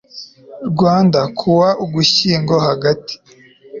RWANDA KUWA UGUSHYINGO HAGATI